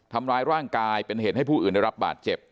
ทำร้ายร่างกายเป็นเหตุให้ผู้อื่นได้รับบาดเจ็บ